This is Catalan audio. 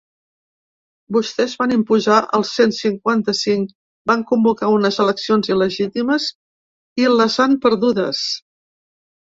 Vostès van imposar el cent cinquanta-cinc, van convocar unes eleccions il·legítimes i les han perdudes.